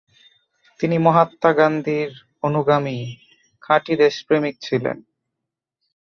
তিনি মহাত্মা গান্ধির অণুগামি খাটি দেশপ্রেমী ছিলেন।